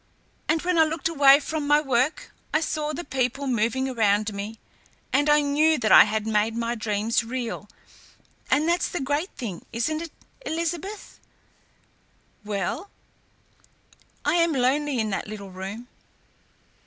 And when I looked away from my work, I saw the people moving around me, and I knew that I had made my dreams real, and that's the great thing, isn't it?... Elizabeth!" "Well?" "I am lonely in that little room."